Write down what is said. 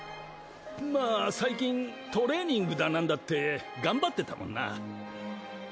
まあ最近トレーニングだなんだって頑張ってたもんなぁ。